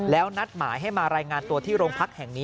แล้วนัดหมายให้มารายงานตัวที่โรงพักแห่งนี้